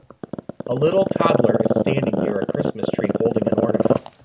A little toddler is standing near a Christmas tree holding an ornament.